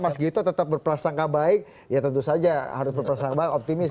mas gito tetap berprasangka baik ya tentu saja harus berprasangka baik optimis